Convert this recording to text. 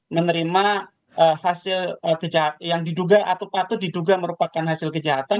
menerima hasil kejahatan yang diduga atau patut diduga merupakan hasil kejahatan